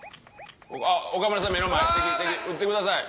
あっ岡村さんの目の前敵敵撃ってください。